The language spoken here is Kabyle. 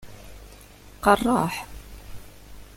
Qerreḥ?